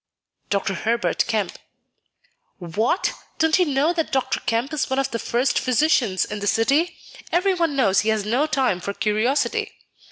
"Dr. Herbert Kemp." "What! Don't you know that Dr. Kemp is one of the first physicians in the city? Every one knows he has no time for curiosity.